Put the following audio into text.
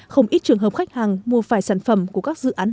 trên thị trường hiện chỉ có khoảng một lĩnh vực này